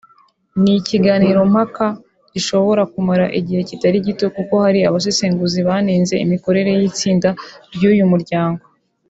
ni ikiganiro mpaka gishobora kumara igihe kitari gito kuko hari abasesenguzi banenze imikorere y’Itsinda ry’Uyu muryango